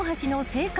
正解。